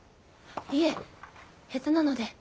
いえ下手なので。